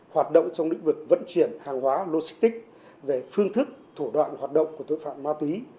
hoạt động trong lĩnh vực vận chuyển hàng hóa logistic về phương thức thủ đoạn hoạt động của tội phạm ma túy